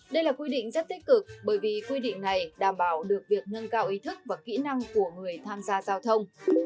đây là quy định rất tích cực bởi vì quy định này đảm bảo được việc nâng cao ý thức và kỹ năng của người tham gia giao thông